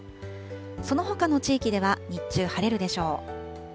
そのほかの地域では日中、晴れるでしょう。